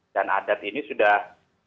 dan adat ini sudah